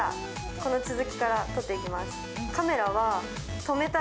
この続きから撮っていきます。